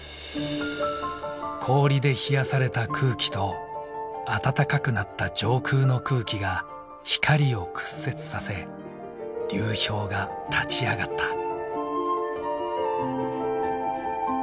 氷で冷やされた空気と暖かくなった上空の空気が光を屈折させ流氷が立ち上がった。